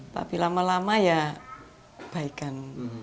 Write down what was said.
tapi lama lama ya baikan